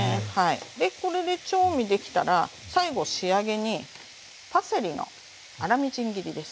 でこれで調味できたら最後仕上げにパセリの粗みじん切りです。